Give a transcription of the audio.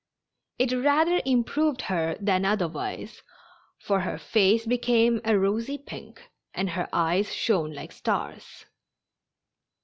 It rather improved her than otherwise, for her face became a rosy pink, and her eyes shone like stars.